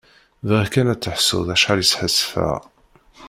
Bɣiɣ kan ad teḥsuḍ acḥal i sḥassfaɣ.